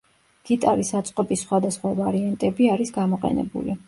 გიტარის აწყობის სხვადასხვა ვარიანტები არის გამოყენებული.